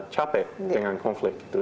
capek dengan konflik itu